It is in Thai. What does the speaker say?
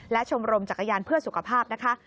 และชมรมจักรยานเพื่อสุขภาพนะคะ